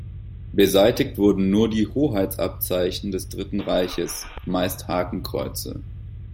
Beseitigt wurden nur die Hoheitsabzeichen des Dritten Reiches, meist Hakenkreuze.